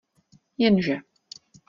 Jenže...